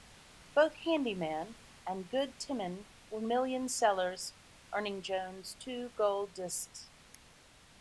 Both "Handy Man" and "Good Timin'" were million sellers, earning Jones two gold discs.